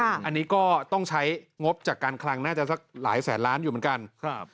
อันนี้ก็ต้องใช้งบจากการคลังน่าจะสักหลายแสนล้านอยู่เหมือนกันครับ